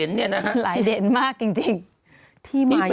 ชีวิตมาเยอะมาก